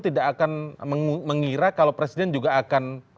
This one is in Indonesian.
tidak akan mengira kalau presiden juga akan